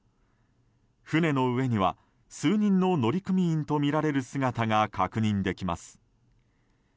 船の上には数人の乗組員とみられる姿が確認できます。